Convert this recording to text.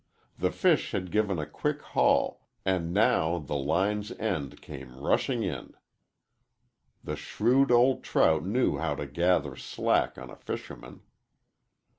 The fish had given a quick haul, and now the line's end came rushing in. The shrewd old trout knew how to gather slack on a fisherman.